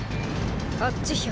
あっち百。